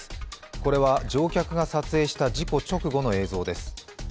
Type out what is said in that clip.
これは乗客が撮影した事故直後の映像です。